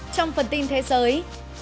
trong phần tin thế giới